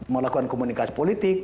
melakukan komunikasi politik